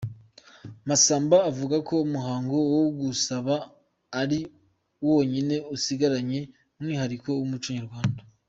Masamba avuga ko umuhango wo gusaba ari wonyine usigaranye mwihariko w’umuco Nyarwanda.